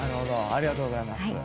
ありがとうございます。